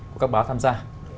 của các báo tham gia